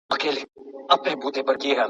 ایا مسواک د پوهې د زیاتوالي لپاره ښه دی؟